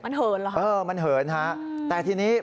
มันเหินเหรอครับอืมมันเหินครับแต่ทีนี้